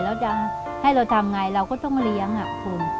แล้วจะให้เราทำไงเราก็ต้องมาเลี้ยงคุณ